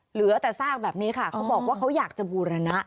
เหลือแต่ซากแบบนี้ค่ะเขาบอกว่าเขาอยากจะบูรณะ